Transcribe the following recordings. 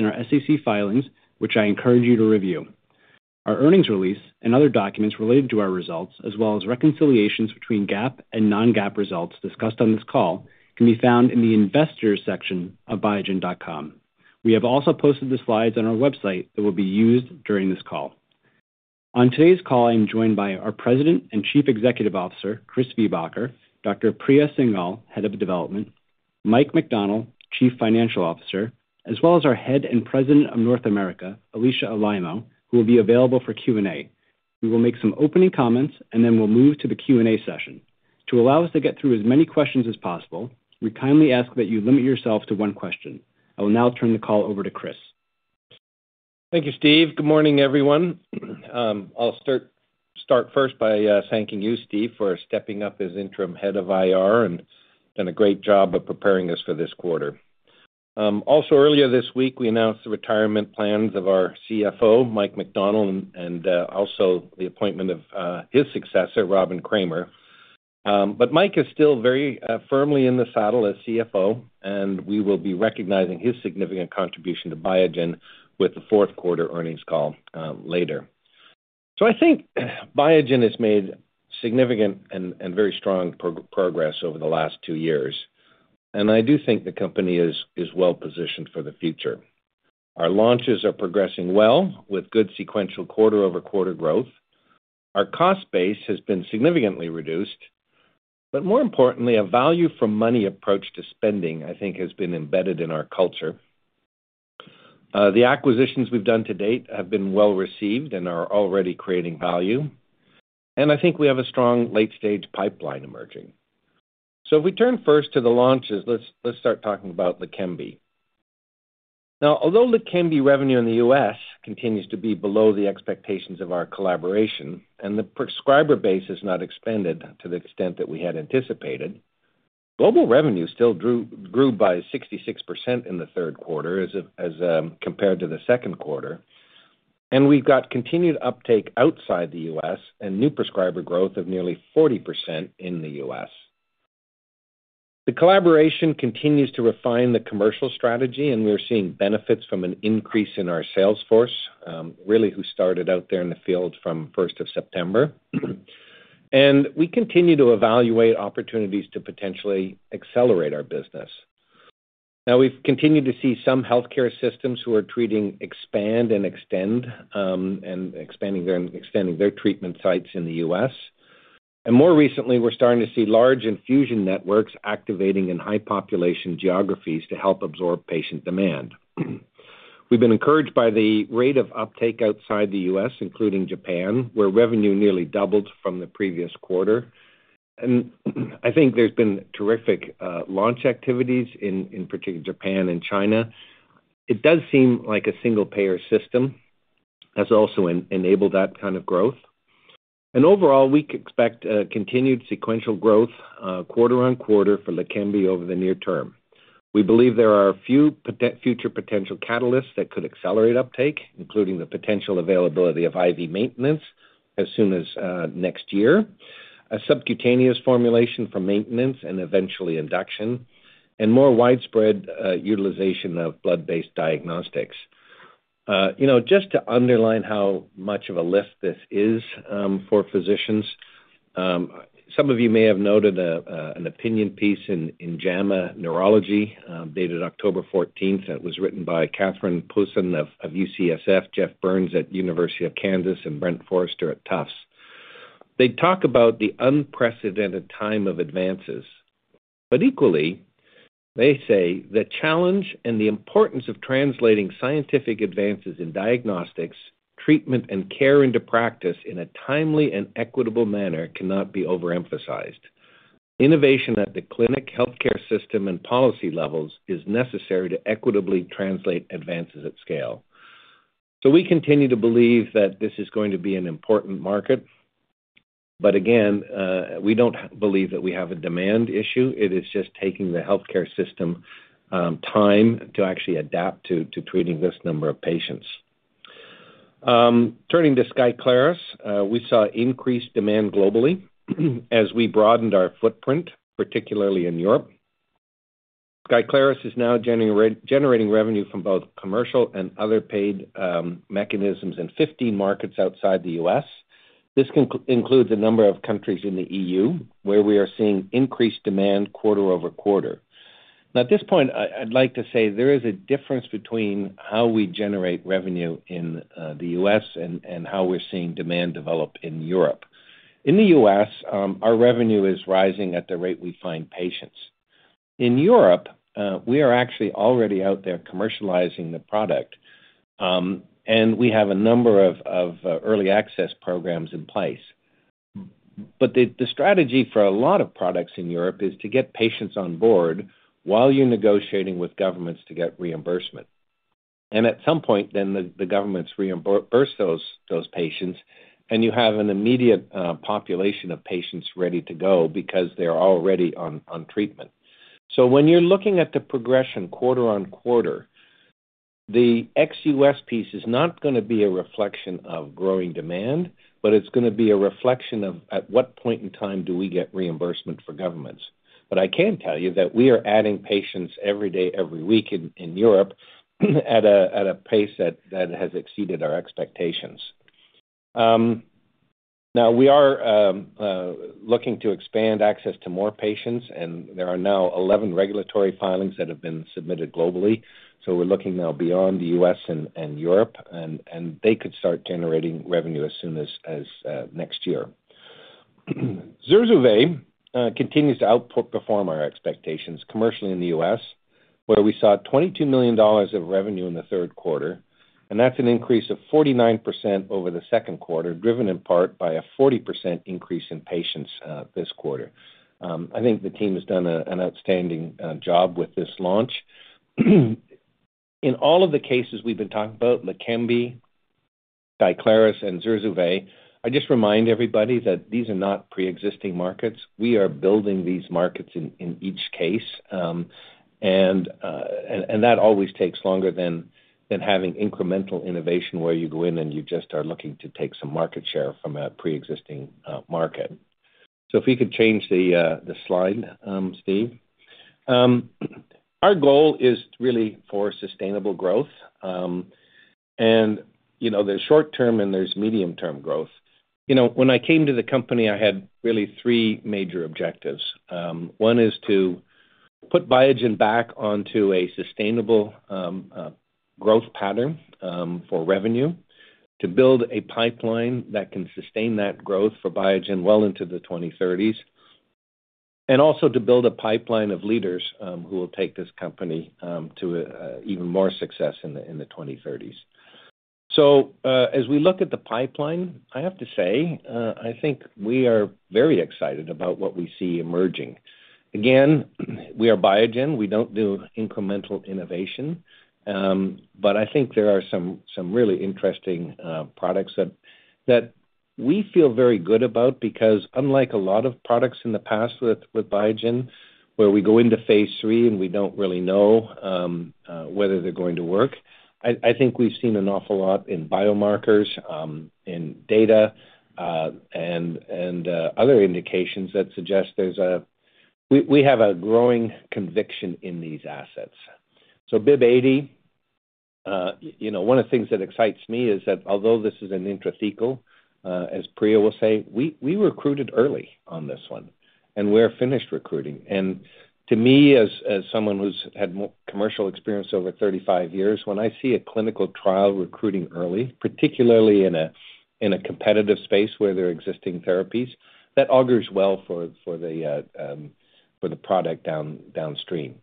In our SEC filings, which I encourage you to review. Our earnings release and other documents related to our results, as well as reconciliations between GAAP and non-GAAP results discussed on this call, can be found in the Investors section of biogen.com. We have also posted the slides on our website that will be used during this call. On today's call, I am joined by our President and Chief Executive Officer, Chris Viehbacher, Dr. Priya Singhal, Head of Development, Mike McDonnell, Chief Financial Officer, as well as our Head and President of North America, Alisha Alaimo, who will be available for Q&A. We will make some opening comments, and then we'll move to the Q&A session. To allow us to get through as many questions as possible, we kindly ask that you limit yourself to one question. I will now turn the call over to Chris. Thank you, Steve. Good morning, everyone. I'll start first by thanking you, Steve, for stepping up as Interim Head of IR and done a great job of preparing us for this quarter. Also, earlier this week, we announced the retirement plans of our CFO, Mike McDonnell, and also the appointment of his successor, Robin Kramer. But Mike is still very firmly in the saddle as CFO, and we will be recognizing his significant contribution to Biogen with the fourth quarter earnings call later. So I think Biogen has made significant and very strong progress over the last two years, and I do think the company is well positioned for the future. Our launches are progressing well with good sequential quarter-over-quarter growth. Our cost base has been significantly reduced, but more importantly, a value-for-money approach to spending, I think, has been embedded in our culture. The acquisitions we've done to date have been well received and are already creating value, and I think we have a strong late-stage pipeline emerging. So if we turn first to the launches, let's start talking about Leqembi. Now, although Leqembi revenue in the U.S. continues to be below the expectations of our collaboration and the prescriber base is not expanded to the extent that we had anticipated, global revenue still grew by 66% in the third quarter as compared to the second quarter, and we've got continued uptake outside the U.S. and new prescriber growth of nearly 40% in the U.S. The collaboration continues to refine the commercial strategy, and we're seeing benefits from an increase in our sales force, really, who started out there in the field from 1st of September, and we continue to evaluate opportunities to potentially accelerate our business. Now, we've continued to see some healthcare systems who are expanding and extending their treatment sites in the U.S. And more recently, we're starting to see large infusion networks activating in high-population geographies to help absorb patient demand. We've been encouraged by the rate of uptake outside the U.S., including Japan, where revenue nearly doubled from the previous quarter. And I think there's been terrific launch activities, in particular, Japan and China. It does seem like a single-payer system has also enabled that kind of growth. And overall, we expect continued sequential growth quarter on quarter for Leqembi over the near term. We believe there are a few future potential catalysts that could accelerate uptake, including the potential availability of IV maintenance as soon as next year, a subcutaneous formulation for maintenance and eventually induction, and more widespread utilization of blood-based diagnostics. Just to underline how much of a lift this is for physicians, some of you may have noted an opinion piece in JAMA Neurology dated October 14th, and it was written by Katherine Possin of UCSF, Jeff Burns at University of Kansas, and Brent Forester at Tufts. They talk about the unprecedented time of advances, but equally, they say, "The challenge and the importance of translating scientific advances in diagnostics, treatment, and care into practice in a timely and equitable manner cannot be overemphasized. Innovation at the clinic, healthcare system, and policy levels is necessary to equitably translate advances at scale." So we continue to believe that this is going to be an important market, but again, we don't believe that we have a demand issue. It is just taking the healthcare system time to actually adapt to treating this number of patients. Turning to Skyclarys, we saw increased demand globally as we broadened our footprint, particularly in Europe. Skyclarys is now generating revenue from both commercial and other paid mechanisms in 15 markets outside the U.S. This includes a number of countries in the EU where we are seeing increased demand quarter-over-quarter. Now, at this point, I'd like to say there is a difference between how we generate revenue in the U.S. and how we're seeing demand develop in Europe. In the U.S., our revenue is rising at the rate we find patients. In Europe, we are actually already out there commercializing the product, and we have a number of early access programs in place, but the strategy for a lot of products in Europe is to get patients on board while you're negotiating with governments to get reimbursement. And at some point, then the governments reimburse those patients, and you have an immediate population of patients ready to go because they're already on treatment. So when you're looking at the progression quarter on quarter, the ex-U.S. piece is not going to be a reflection of growing demand, but it's going to be a reflection of at what point in time do we get reimbursement for governments. But I can tell you that we are adding patients every day, every week in Europe at a pace that has exceeded our expectations. Now, we are looking to expand access to more patients, and there are now 11 regulatory filings that have been submitted globally. So we're looking now beyond the U.S. and Europe, and they could start generating revenue as soon as next year. Zurzuvae continues to outperform our expectations commercially in the U.S., where we saw $22 million of revenue in the third quarter, and that's an increase of 49% over the second quarter, driven in part by a 40% increase in patients this quarter. I think the team has done an outstanding job with this launch. In all of the cases we've been talking about, Leqembi, Skyclarys, and Zurzuvae, I just remind everybody that these are not pre-existing markets. We are building these markets in each case, and that always takes longer than having incremental innovation where you go in and you just are looking to take some market share from a pre-existing market. So if we could change the slide, Steve. Our goal is really for sustainable growth, and there's short-term and there's medium-term growth. When I came to the company, I had really three major objectives. One is to put Biogen back onto a sustainable growth pattern for revenue, to build a pipeline that can sustain that growth for Biogen well into the 2030s, and also to build a pipeline of leaders who will take this company to even more success in the 2030s. So as we look at the pipeline, I have to say, I think we are very excited about what we see emerging. Again, we are Biogen. We don't do incremental innovation, but I think there are some really interesting products that we feel very good about because, unlike a lot of products in the past with Biogen, where we go into phase III and we don't really know whether they're going to work, I think we've seen an awful lot in biomarkers, in data, and other indications that suggest there's a. We have a growing conviction in these assets. BIIB080, one of the things that excites me is that although this is an intrathecal, as Priya will say, we recruited early on this one, and we're finished recruiting. And to me, as someone who's had commercial experience over 35 years, when I see a clinical trial recruiting early, particularly in a competitive space where there are existing therapies, that augurs well for the product downstream.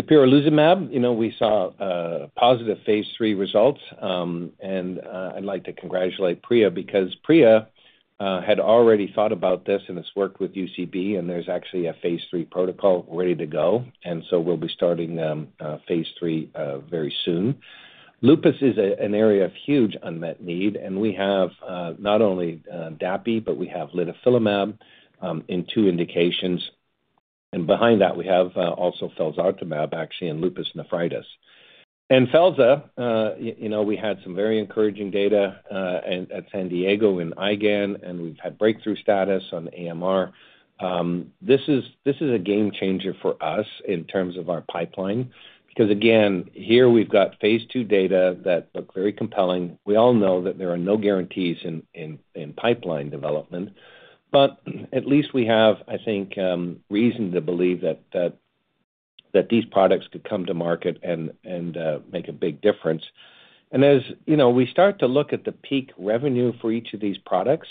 dapirolizumab, we saw positive phase III results, and I'd like to congratulate Priya because Priya had already thought about this and has worked with UCB, and there's actually a phase III protocol ready to go, and so we'll be starting phase III very soon. Lupus is an area of huge unmet need, and we have not only dapi, but we have litifilimab in two indications, and behind that, we have also felzartamab, actually, in lupus nephritis. And felzartamab, we had some very encouraging data at San Diego and IgAN, and we've had breakthrough status on AMR. This is a game changer for us in terms of our pipeline because, again, here we've got phase II data that look very compelling. We all know that there are no guarantees in pipeline development, but at least we have, I think, reason to believe that these products could come to market and make a big difference. And as we start to look at the peak revenue for each of these products,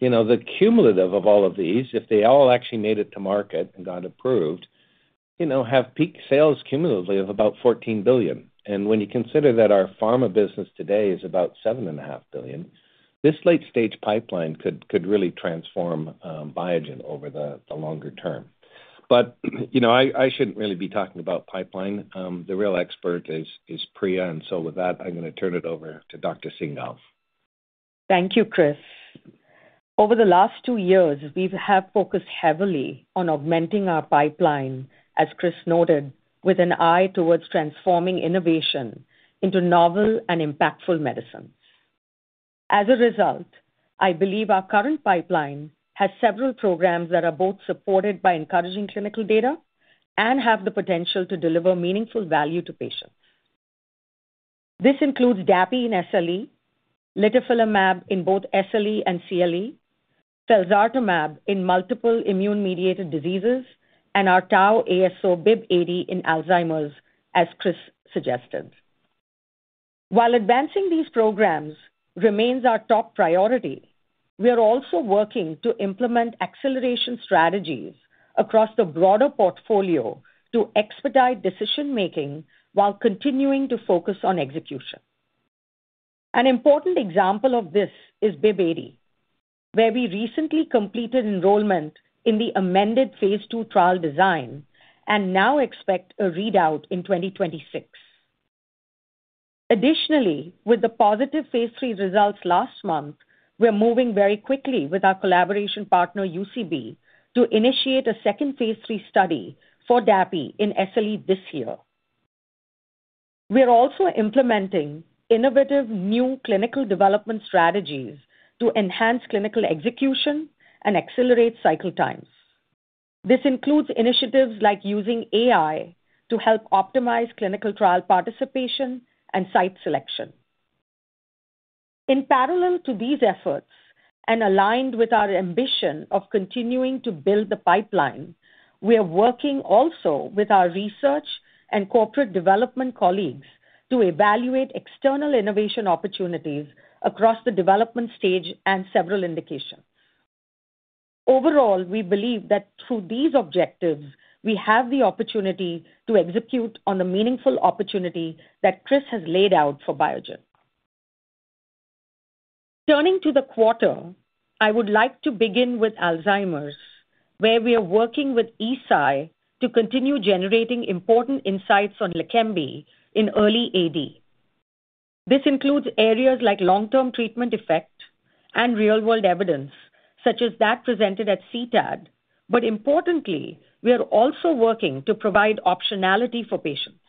the cumulative of all of these, if they all actually made it to market and got approved, have peak sales cumulatively of about $14 billion. And when you consider that our pharma business today is about $7.5 billion, this late-stage pipeline could really transform Biogen over the longer term. But I shouldn't really be talking about pipeline. The real expert is Priya, and so with that, I'm going to turn it over to Dr. Singhal. Thank you, Chris. Over the last two years, we have focused heavily on augmenting our pipeline, as Chris noted, with an eye towards transforming innovation into novel and impactful medicines. As a result, I believe our current pipeline has several programs that are both supported by encouraging clinical data and have the potential to deliver meaningful value to patients. This includes dapi in SLE, litifilimab in both SLE and CLE, felzartamab in multiple immune-mediated diseases, and our tau ASO BIIB080 in Alzheimer's, as Chris suggested. While advancing these programs remains our top priority, we are also working to implement acceleration strategies across the broader portfolio to expedite decision-making while continuing to focus on execution. An important example of this is BIIB080, where we recently completed enrollment in the amended phase II trial design and now expect a readout in 2026. Additionally, with the positive phase III results last month, we're moving very quickly with our collaboration partner, UCB, to initiate a second phase III study for dapi in SLE this year. We are also implementing innovative new clinical development strategies to enhance clinical execution and accelerate cycle times. This includes initiatives like using AI to help optimize clinical trial participation and site selection. In parallel to these efforts and aligned with our ambition of continuing to build the pipeline, we are working also with our research and corporate development colleagues to evaluate external innovation opportunities across the development stage and several indications. Overall, we believe that through these objectives, we have the opportunity to execute on the meaningful opportunity that Chris has laid out for Biogen. Turning to the quarter, I would like to begin with Alzheimer's, where we are working with Eisai to continue generating important insights on Leqembi in early AD. This includes areas like long-term treatment effect and real-world evidence, such as that presented at CTAD, but importantly, we are also working to provide optionality for patients.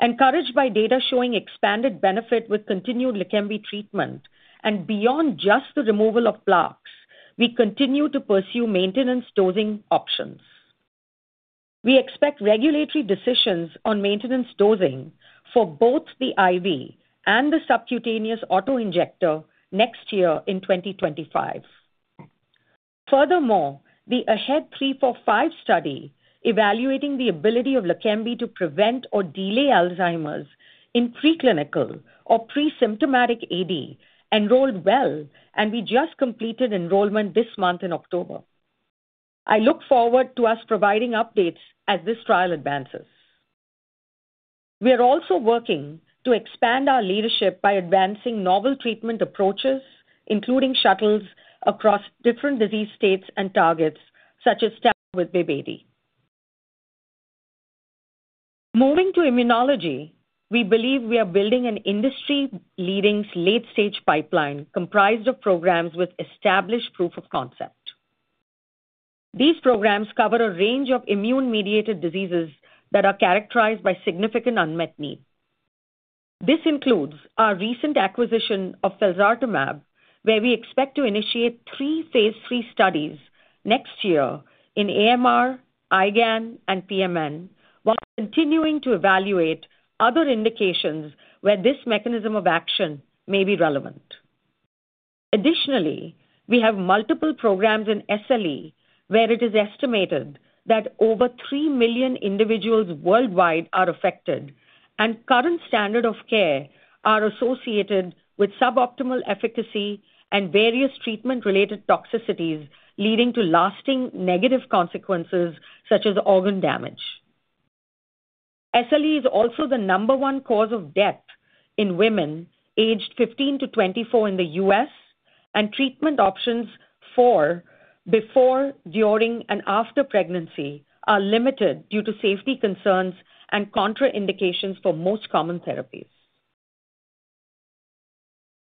Encouraged by data showing expanded benefit with continued Leqembi treatment and beyond just the removal of plaques, we continue to pursue maintenance dosing options. We expect regulatory decisions on maintenance dosing for both the IV and the subcutaneous autoinjector next year in 2025. Furthermore, the AHEAD 3-45 study evaluating the ability of Leqembi to prevent or delay Alzheimer's in preclinical or pre-symptomatic AD enrolled well, and we just completed enrollment this month in October. I look forward to us providing updates as this trial advances. We are also working to expand our leadership by advancing novel treatment approaches, including shuttles across different disease states and targets, such as with BIIB080. Moving to immunology, we believe we are building an industry-leading late-stage pipeline comprised of programs with established proof of concept. These programs cover a range of immune-mediated diseases that are characterized by significant unmet need. This includes our recent acquisition of felzartamab, where we expect to initiate three phase III studies next year in AMR, IgAN, and PMN, while continuing to evaluate other indications where this mechanism of action may be relevant. Additionally, we have multiple programs in SLE where it is estimated that over three million individuals worldwide are affected, and current standard of care are associated with suboptimal efficacy and various treatment-related toxicities leading to lasting negative consequences such as organ damage. SLE is also the number one cause of death in women aged 15 to 24 in the U.S., and treatment options for before, during, and after pregnancy are limited due to safety concerns and contraindications for most common therapies.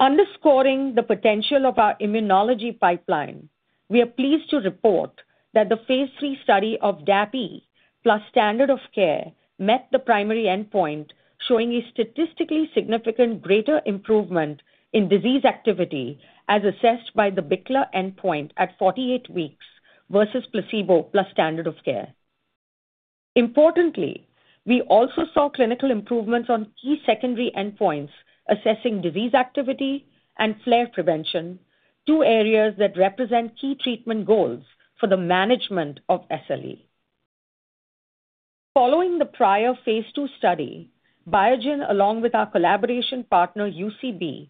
Underscoring the potential of our immunology pipeline, we are pleased to report that the phase III study of dapi plus standard of care met the primary endpoint, showing a statistically significant greater improvement in disease activity as assessed by the BICLA endpoint at 48 weeks versus placebo plus standard of care. Importantly, we also saw clinical improvements on key secondary endpoints assessing disease activity and flare prevention, two areas that represent key treatment goals for the management of SLE. Following the prior phase II study, Biogen, along with our collaboration partner, UCB,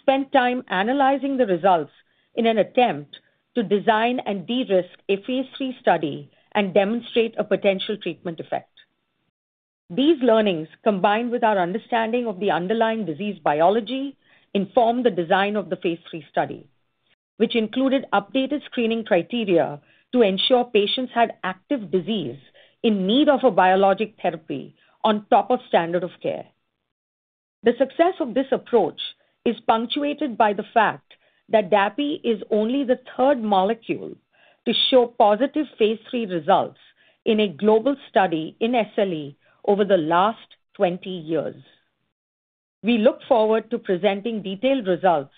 spent time analyzing the results in an attempt to design and de-risk a phase III study and demonstrate a potential treatment effect. These learnings, combined with our understanding of the underlying disease biology, informed the design of the phase III study, which included updated screening criteria to ensure patients had active disease in need of a biologic therapy on top of standard of care. The success of this approach is punctuated by the fact that dapi is only the third molecule to show positive phase III results in a global study in SLE over the last 20 years. We look forward to presenting detailed results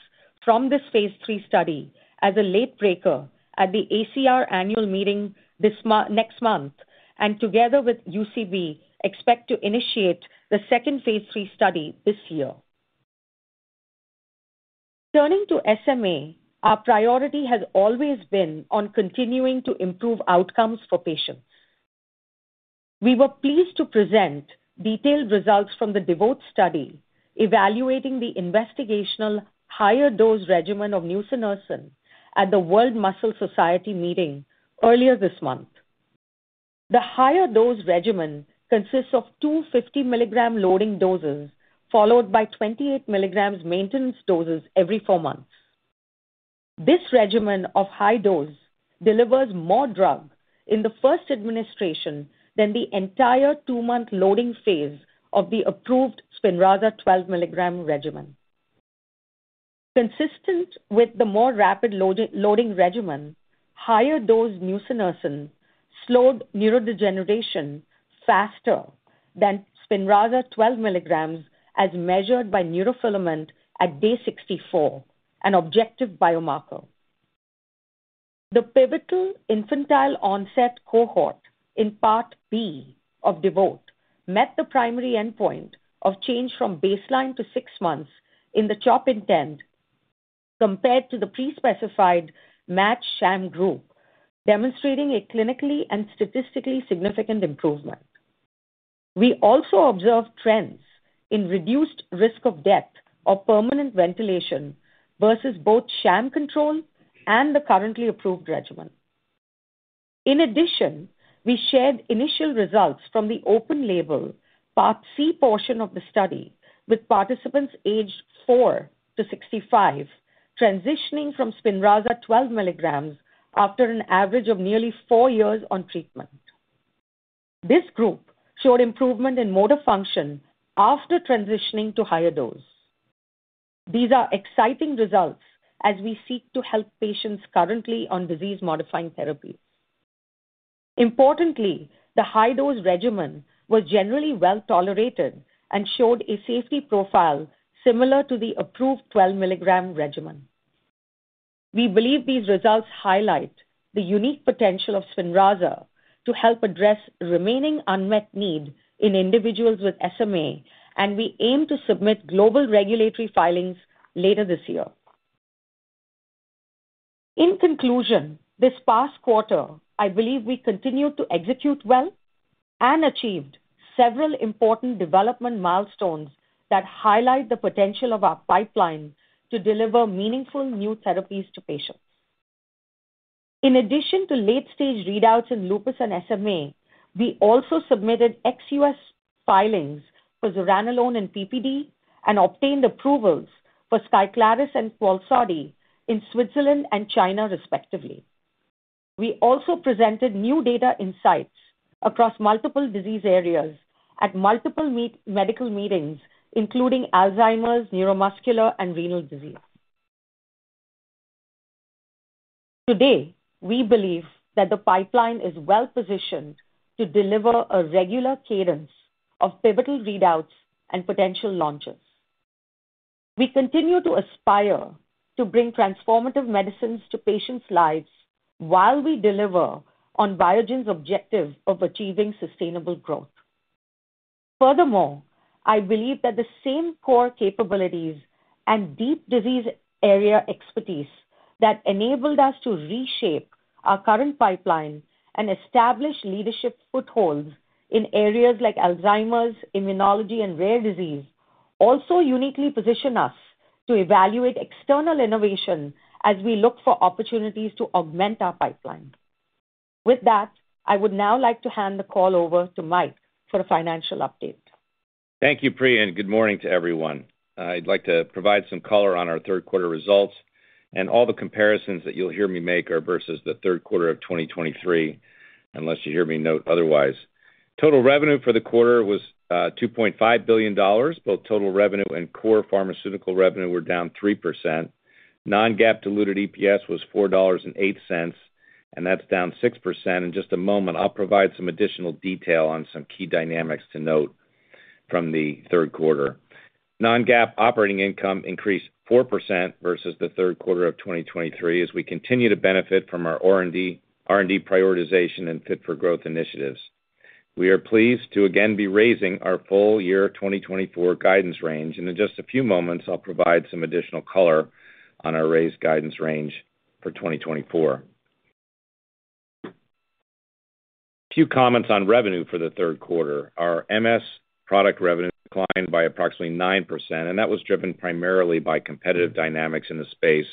from this phase III study as a late breaker at the ACR annual meeting next month, and together with UCB, expect to initiate the second phase III study this year. Turning to SMA, our priority has always been on continuing to improve outcomes for patients. We were pleased to present detailed results from the DEVOTE study evaluating the investigational higher dose regimen of nusinersen at the World Muscle Society meeting earlier this month. The higher dose regimen consists of two 50 mg loading doses followed by 28 mg maintenance doses every four months. This regimen of high dose delivers more drug in the first administration than the entire two-month loading phase of the approved Spinraza 12 mg regimen. Consistent with the more rapid loading regimen, higher dose nusinersen slowed neurodegeneration faster than Spinraza 12 mg as measured by neurofilament at day 64, an objective biomarker. The pivotal infantile onset cohort in part B of DEVOTE met the primary endpoint of change from baseline to six months in the CHOP INTEND compared to the pre-specified matched sham group, demonstrating a clinically and statistically significant improvement. We also observed trends in reduced risk of death or permanent ventilation versus both sham control and the currently approved regimen. In addition, we shared initial results from the open label part C portion of the study with participants aged four to 65 transitioning from Spinraza 12 mg after an average of nearly four years on treatment. This group showed improvement in motor function after transitioning to higher dose. These are exciting results as we seek to help patients currently on disease-modifying therapies. Importantly, the high-dose regimen was generally well tolerated and showed a safety profile similar to the approved 12 mg regimen. We believe these results highlight the unique potential of Spinraza to help address remaining unmet need in individuals with SMA, and we aim to submit global regulatory filings later this year. In conclusion, this past quarter, I believe we continued to execute well and achieved several important development milestones that highlight the potential of our pipeline to deliver meaningful new therapies to patients. In addition to late-stage readouts in lupus and SMA, we also submitted U.S. filings for zuranolone and PPD and obtained approvals for Skyclarys and Qalsody in Switzerland and China, respectively. We also presented new data insights across multiple disease areas at multiple medical meetings, including Alzheimer's, neuromuscular, and renal disease. Today, we believe that the pipeline is well positioned to deliver a regular cadence of pivotal readouts and potential launches. We continue to aspire to bring transformative medicines to patients' lives while we deliver on Biogen's objective of achieving sustainable growth. Furthermore, I believe that the same core capabilities and deep disease area expertise that enabled us to reshape our current pipeline and establish leadership footholds in areas like Alzheimer's, immunology, and rare disease also uniquely position us to evaluate external innovation as we look for opportunities to augment our pipeline. With that, I would now like to hand the call over to Mike for a financial update. Thank you, Priya, and good morning to everyone. I'd like to provide some color on our third-quarter results, and all the comparisons that you'll hear me make are versus the third quarter of 2023, unless you hear me note otherwise. Total revenue for the quarter was $2.5 billion. Both total revenue and core pharmaceutical revenue were down 3%. Non-GAAP diluted EPS was $4.08, and that's down 6%. In just a moment, I'll provide some additional detail on some key dynamics to note from the third quarter. Non-GAAP operating income increased 4% versus the third quarter of 2023 as we continue to benefit from our R&D prioritization and Fit for Growth initiatives. We are pleased to again be raising our full-year 2024 guidance range, and in just a few moments, I'll provide some additional color on our raised guidance range for 2024. A few comments on revenue for the third quarter. Our MS product revenue declined by approximately 9%, and that was driven primarily by competitive dynamics in the space,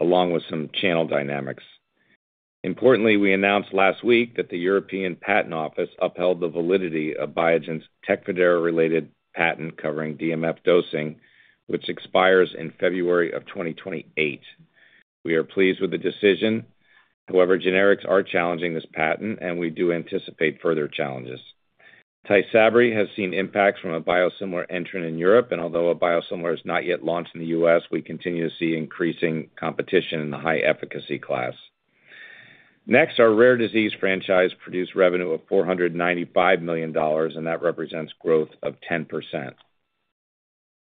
along with some channel dynamics. Importantly, we announced last week that the European Patent Office upheld the validity of Biogen's Tecfidera-related patent covering DMF dosing, which expires in February of 2028. We are pleased with the decision. However, generics are challenging this patent, and we do anticipate further challenges. Tysabri has seen impacts from a biosimilar entrant in Europe, and although a biosimilar is not yet launched in the U.S., we continue to see increasing competition in the high-efficacy class. Next, our rare disease franchise produced revenue of $495 million, and that represents growth of 10%.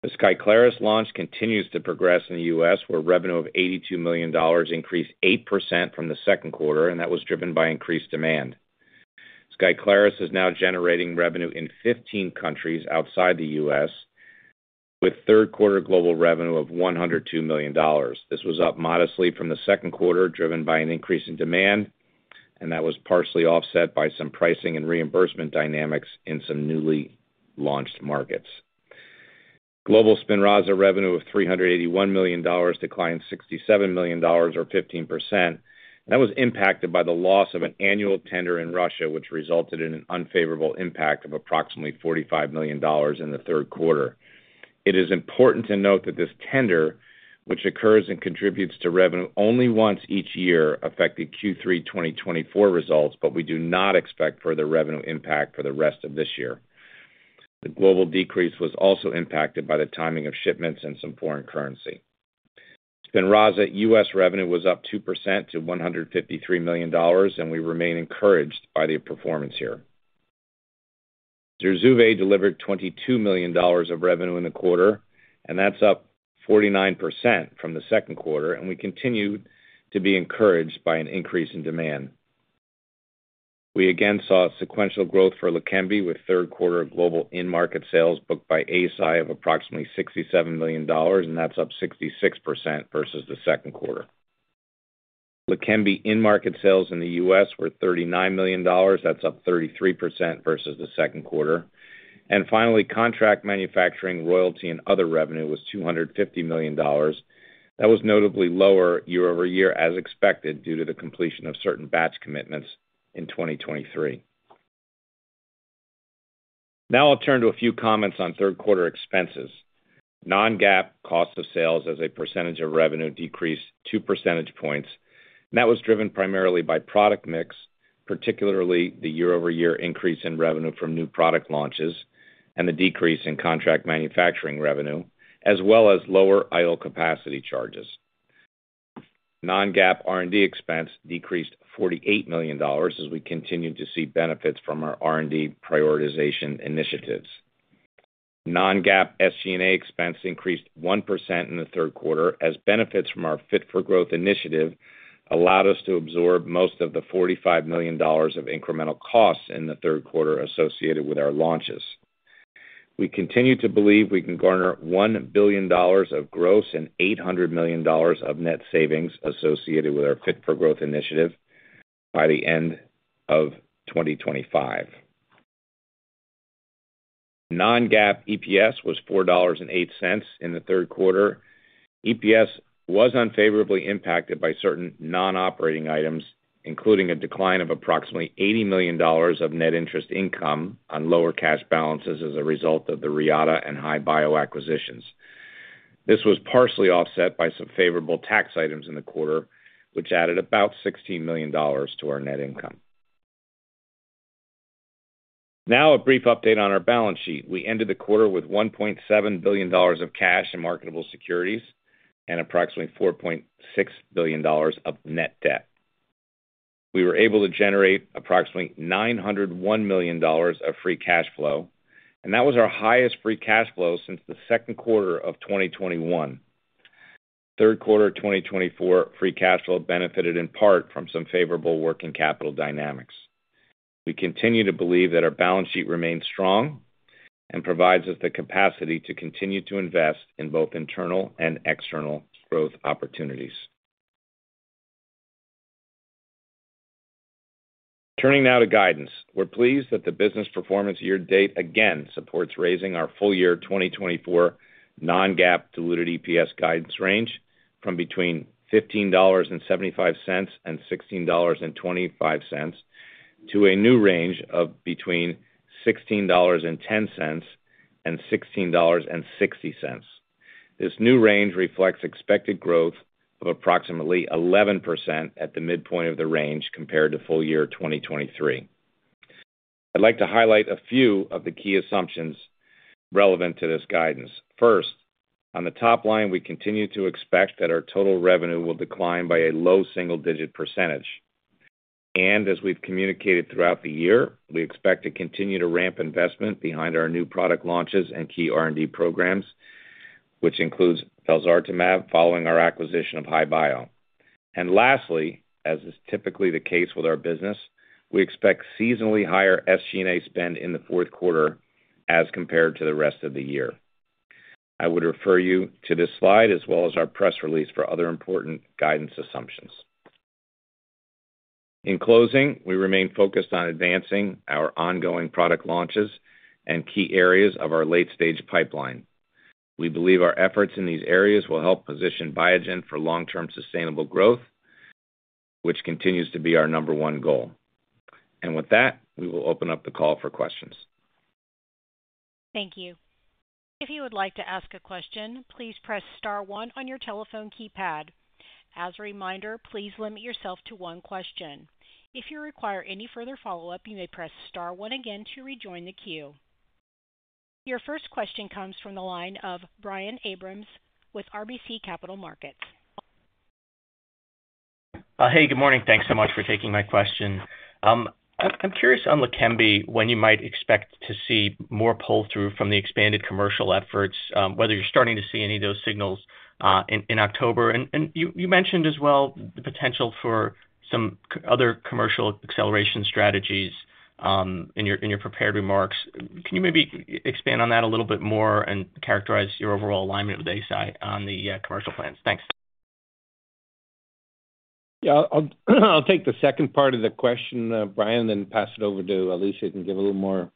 The Skyclarys launch continues to progress in the U.S., where revenue of $82 million increased 8% from the second quarter, and that was driven by increased demand. Skyclarys is now generating revenue in 15 countries outside the U.S., with third-quarter global revenue of $102 million. This was up modestly from the second quarter, driven by an increase in demand, and that was partially offset by some pricing and reimbursement dynamics in some newly launched markets. Global Spinraza revenue of $381 million declined $67 million, or 15%, and that was impacted by the loss of an annual tender in Russia, which resulted in an unfavorable impact of approximately $45 million in the third quarter. It is important to note that this tender, which occurs and contributes to revenue only once each year, affected Q3 2024 results, but we do not expect further revenue impact for the rest of this year. The global decrease was also impacted by the timing of shipments and some foreign currency. Spinraza U.S. revenue was up 2% to $153 million, and we remain encouraged by the performance here. Zurzuvae delivered $22 million of revenue in the quarter, and that's up 49% from the second quarter, and we continue to be encouraged by an increase in demand. We again saw sequential growth for Leqembi, with third-quarter global in-market sales booked by Eisai of approximately $67 million, and that's up 66% versus the second quarter. Leqembi in-market sales in the U.S. were $39 million. That's up 33% versus the second quarter. And finally, contract manufacturing, royalty, and other revenue was $250 million. That was notably lower year-over-year, as expected, due to the completion of certain batch commitments in 2023. Now I'll turn to a few comments on third-quarter expenses. Non-GAAP cost of sales as a percentage of revenue decreased two percentage points, and that was driven primarily by product mix, particularly the year-over-year increase in revenue from new product launches and the decrease in contract manufacturing revenue, as well as lower idle capacity charges. Non-GAAP R&D expense decreased $48 million as we continue to see benefits from our R&D prioritization initiatives. Non-GAAP SG&A expense increased 1% in the third quarter, as benefits from our Fit for Growth initiative allowed us to absorb most of the $45 million of incremental costs in the third quarter associated with our launches. We continue to believe we can garner $1 billion of gross and $800 million of net savings associated with our Fit for Growth initiative by the end of 2025. Non-GAAP EPS was $4.08 in the third quarter. EPS was unfavorably impacted by certain non-operating items, including a decline of approximately $80 million of net interest income on lower cash balances as a result of the Reata and HI-Bio acquisitions. This was partially offset by some favorable tax items in the quarter, which added about $16 million to our net income. Now a brief update on our balance sheet. We ended the quarter with $1.7 billion of cash and marketable securities and approximately $4.6 billion of net debt. We were able to generate approximately $901 million of free cash flow, and that was our highest free cash flow since the second quarter of 2021. Third quarter 2024 free cash flow benefited in part from some favorable working capital dynamics. We continue to believe that our balance sheet remains strong and provides us the capacity to continue to invest in both internal and external growth opportunities. Turning now to guidance, we're pleased that the business performance year-to-date again supports raising our full-year 2024 non-GAAP diluted EPS guidance range from between $15.75 and $16.25 to a new range of between $16.10 and $16.60. This new range reflects expected growth of approximately 11% at the midpoint of the range compared to full-year 2023. I'd like to highlight a few of the key assumptions relevant to this guidance. First, on the top line, we continue to expect that our total revenue will decline by a low single-digit percentage. And as we've communicated throughout the year, we expect to continue to ramp investment behind our new product launches and key R&D programs, which includes felzartamab following our acquisition of HI-Bio. And lastly, as is typically the case with our business, we expect seasonally higher SG&A spend in the fourth quarter as compared to the rest of the year. I would refer you to this slide as well as our press release for other important guidance assumptions. In closing, we remain focused on advancing our ongoing product launches and key areas of our late-stage pipeline. We believe our efforts in these areas will help position Biogen for long-term sustainable growth, which continues to be our number one goal. And with that, we will open up the call for questions. Thank you. If you would like to ask a question, please press star one on your telephone keypad. As a reminder, please limit yourself to one question. If you require any further follow-up, you may press star one again to rejoin the queue. Your first question comes from the line of Brian Abrahams with RBC Capital Markets. Hey, good morning. Thanks so much for taking my question. I'm curious on Leqembi when you might expect to see more pull-through from the expanded commercial efforts, whether you're starting to see any of those signals in October. And you mentioned as well the potential for some other commercial acceleration strategies in your prepared remarks. Can you maybe expand on that a little bit more and characterize your overall alignment with Eisai on the commercial plans? Thanks. Yeah, I'll take the second part of the question, Brian, and then pass it over to Alisha and give a little more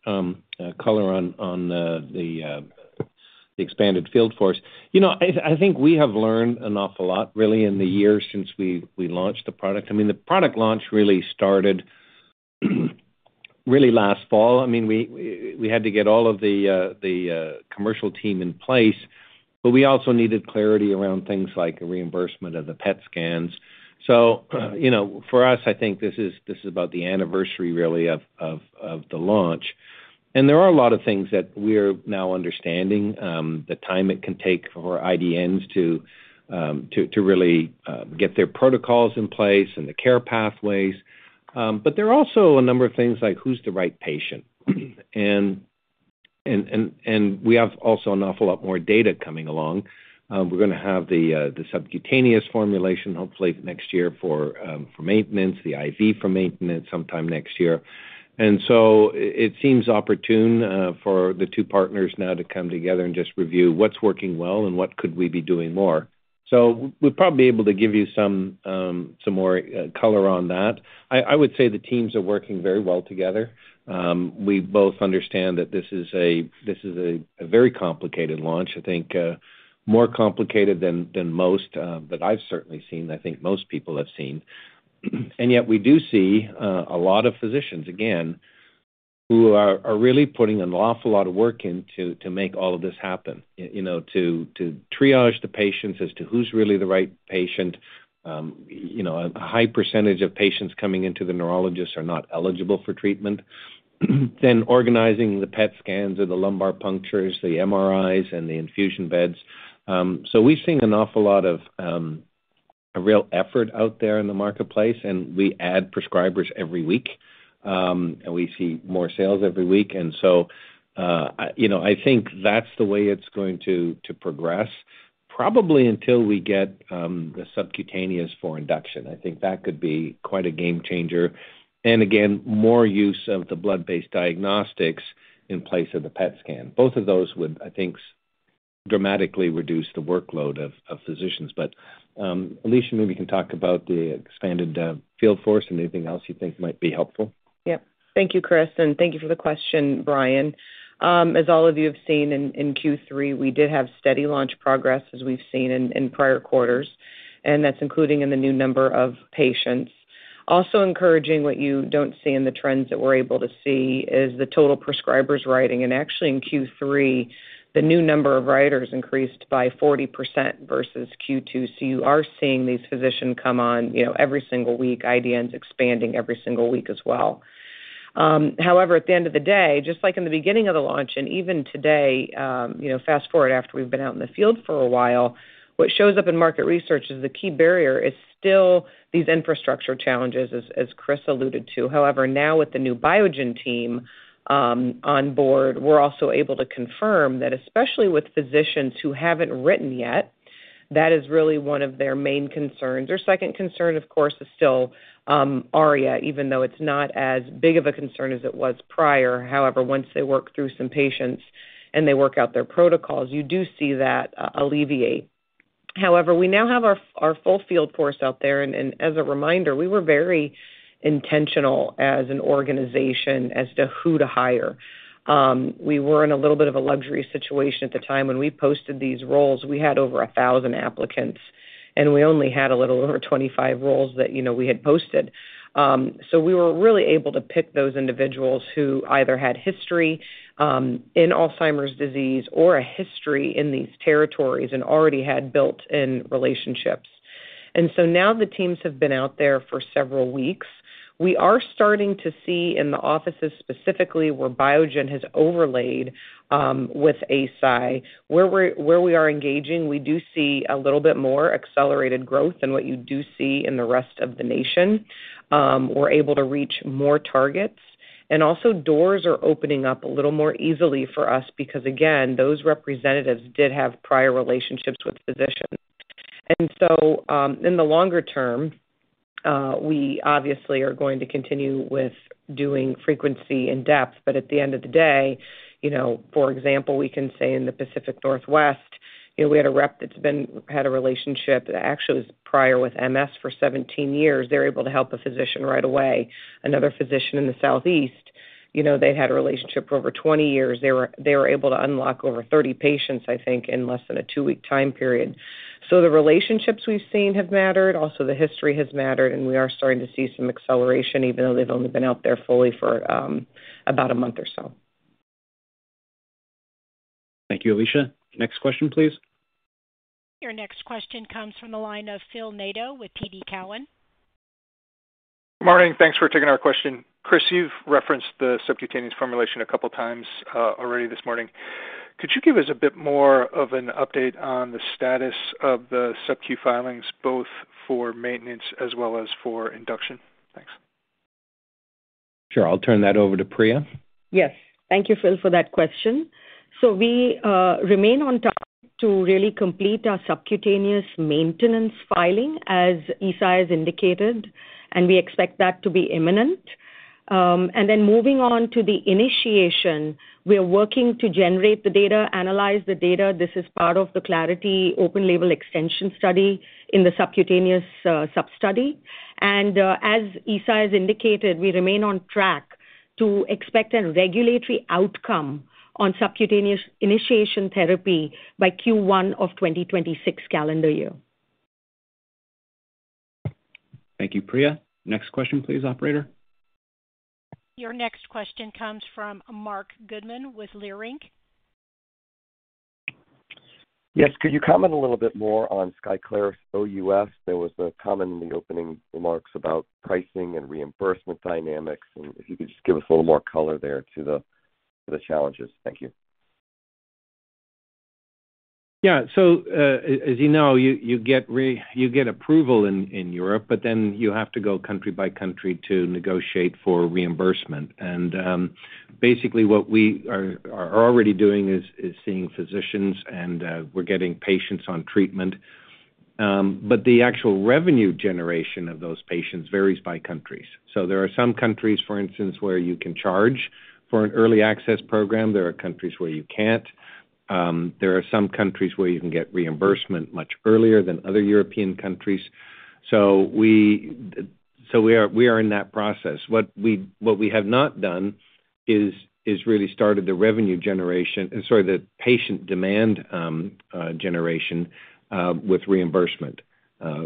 color on the expanded field force. You know, I think we have learned an awful lot, really, in the years since we launched the product. I mean, the product launch really started really last fall. I mean, we had to get all of the commercial team in place, but we also needed clarity around things like reimbursement of the PET scans. So for us, I think this is about the anniversary, really, of the launch, and there are a lot of things that we're now understanding: the time it can take for IDNs to really get their protocols in place and the care pathways, but there are also a number of things like who's the right patient, and we have also an awful lot more data coming along. We're going to have the subcutaneous formulation, hopefully next year, for maintenance, the IV for maintenance sometime next year, and so it seems opportune for the two partners now to come together and just review what's working well and what could we be doing more, so we'll probably be able to give you some more color on that. I would say the teams are working very well together. We both understand that this is a very complicated launch, I think more complicated than most that I've certainly seen, I think most people have seen, and yet we do see a lot of physicians, again, who are really putting an awful lot of work in to make all of this happen, to triage the patients as to who's really the right patient. A high percentage of patients coming into the neurologist are not eligible for treatment, then organizing the PET scans or the lumbar punctures, the MRIs, and the infusion beds. We've seen an awful lot of real effort out there in the marketplace, and we add prescribers every week, and we see more sales every week. I think that's the way it's going to progress, probably until we get the subcutaneous for induction. I think that could be quite a game changer. Again, more use of the blood-based diagnostics in place of the PET scan. Both of those would, I think, dramatically reduce the workload of physicians. Alisha, maybe you can talk about the expanded field force and anything else you think might be helpful. Yep. Thank you, Chris, and thank you for the question, Brian. As all of you have seen in Q3, we did have steady launch progress as we've seen in prior quarters, and that's including in the new number of patients. Also encouraging what you don't see in the trends that we're able to see is the total prescribers writing. And actually, in Q3, the new number of writers increased by 40% versus Q2. So you are seeing these physicians come on every single week, IDNs expanding every single week as well. However, at the end of the day, just like in the beginning of the launch and even today, fast forward after we've been out in the field for a while, what shows up in market research as the key barrier is still these infrastructure challenges, as Chris alluded to. However, now with the new Biogen team on board, we're also able to confirm that especially with physicians who haven't written yet, that is really one of their main concerns. Their second concern, of course, is still ARIA, even though it's not as big of a concern as it was prior. However, once they work through some patients and they work out their protocols, you do see that alleviate. However, we now have our full field force out there, and as a reminder, we were very intentional as an organization as to who to hire. We were in a little bit of a luxury situation at the time when we posted these roles. We had over 1,000 applicants, and we only had a little over 25 roles that we had posted. So we were really able to pick those individuals who either had history in Alzheimer's disease or a history in these territories and already had built-in relationships. And so now the teams have been out there for several weeks. We are starting to see in the offices specifically where Biogen has overlaid with Eisai. Where we are engaging, we do see a little bit more accelerated growth than what you do see in the rest of the nation. We're able to reach more targets. And also, doors are opening up a little more easily for us because, again, those representatives did have prior relationships with physicians. And so in the longer term, we obviously are going to continue with doing frequency and depth. But at the end of the day, for example, we can say in the Pacific Northwest, we had a rep that had a relationship that actually was prior with MS for 17 years. They were able to help a physician right away. Another physician in the Southeast, they'd had a relationship for over 20 years. They were able to unlock over 30 patients, I think, in less than a two-week time period. So the relationships we've seen have mattered. Also, the history has mattered, and we are starting to see some acceleration, even though they've only been out there fully for about a month or so. Thank you, Alisha. Next question, please. Your next question comes from the line of Phil Nadeau with TD Cowen. Morning. Thanks for taking our question. Chris, you've referenced the subcutaneous formulation a couple of times already this morning. Could you give us a bit more of an update on the status of the subQ filings, both for maintenance as well as for induction? Thanks. Sure. I'll turn that over to Priya. Yes. Thank you, Phil, for that question. So we remain on topic to really complete our subcutaneous maintenance filing, as Eisai has indicated, and we expect that to be imminent. And then moving on to the initiation, we are working to generate the data, analyze the data. This is part of the CLARITY Open-Label Extension study in the subcutaneous substudy. And as Eisai has indicated, we remain on track to expect a regulatory outcome on subcutaneous initiation therapy by Q1 of 2026 calendar year. Thank you, Priya. Next question, please, operator. Your next question comes from Marc Goodman with Leerink Partners. Yes. Could you comment a little bit more on Skyclarys OUS? There was a comment in the opening remarks about pricing and reimbursement dynamics. And if you could just give us a little more color there to the challenges. Thank you. Yeah. So as you know, you get approval in Europe, but then you have to go country by country to negotiate for reimbursement. And basically, what we are already doing is seeing physicians, and we're getting patients on treatment. But the actual revenue generation of those patients varies by countries. So there are some countries, for instance, where you can charge for an early access program. There are countries where you can't. There are some countries where you can get reimbursement much earlier than other European countries. So we are in that process. What we have not done is really started the revenue generation, sorry, the patient demand generation with reimbursement.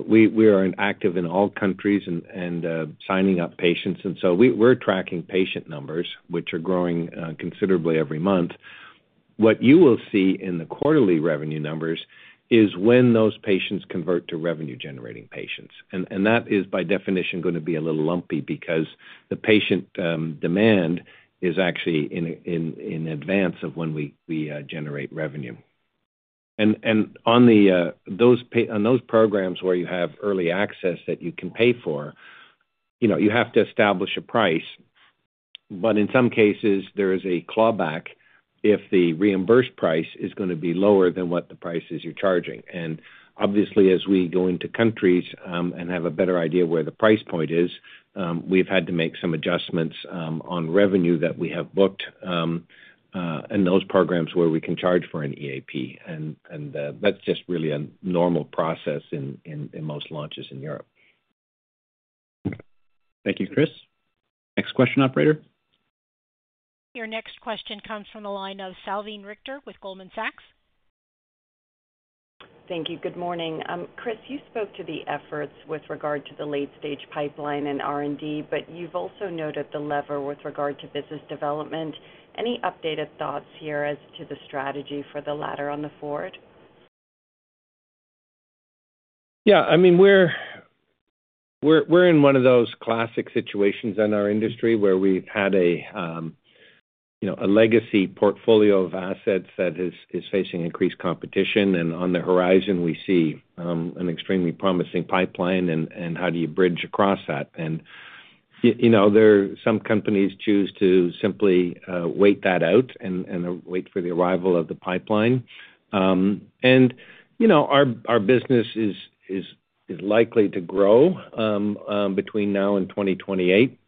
We are active in all countries and signing up patients. And so we're tracking patient numbers, which are growing considerably every month. What you will see in the quarterly revenue numbers is when those patients convert to revenue-generating patients. And that is, by definition, going to be a little lumpy because the patient demand is actually in advance of when we generate revenue. And on those programs where you have early access that you can pay for, you have to establish a price. But in some cases, there is a clawback if the reimbursed price is going to be lower than what the price is you're charging. And obviously, as we go into countries and have a better idea where the price point is, we've had to make some adjustments on revenue that we have booked in those programs where we can charge for an EAP. And that's just really a normal process in most launches in Europe. Thank you, Chris. Next question, operator. Your next question comes from the line of Salveen Richter with Goldman Sachs. Thank you. Good morning. Chris, you spoke to the efforts with regard to the late-stage pipeline and R&D, but you've also noted the lever with regard to business development. Any updated thoughts here as to the strategy for the latter on the forward? Yeah. I mean, we're in one of those classic situations in our industry where we've had a legacy portfolio of assets that is facing increased competition. And on the horizon, we see an extremely promising pipeline, and how do you bridge across that? And some companies choose to simply wait that out and wait for the arrival of the pipeline. And our business is likely to grow between now and 2028.